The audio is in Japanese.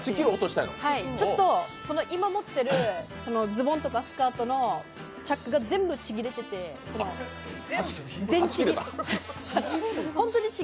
ちょっと今持ってるズボンとかスカートのチャックが全部ちぎれてて、全ちぎ。